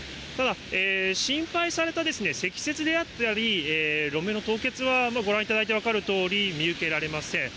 心配された積雪であったり、路面の凍結は、ご覧いただいてお分かりいただけるように、見受けられません。